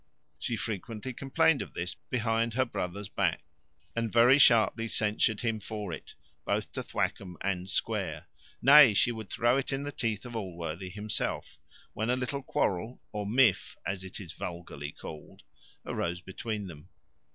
She frequently complained of this behind her brother's back, and very sharply censured him for it, both to Thwackum and Square; nay, she would throw it in the teeth of Allworthy himself, when a little quarrel, or miff, as it is vulgarly called, arose between them.